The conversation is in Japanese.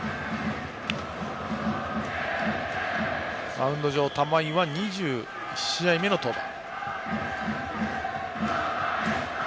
マウンド上、玉井は２１試合目の登板。